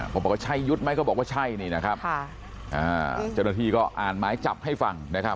พอบอกว่าใช่ยุทธ์ไหมก็บอกว่าใช่นี่นะครับเจ้าหน้าที่ก็อ่านหมายจับให้ฟังนะครับ